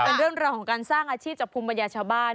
เป็นเรื่องราวของการสร้างอาชีพจากภูมิปัญญาชาวบ้าน